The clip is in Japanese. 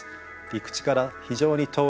陸地から非常に遠い所